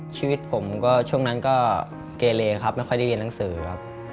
ชีวิตผมก็ช่วงนั้นก็เกเลครับไม่ค่อยได้เรียนหนังสือครับ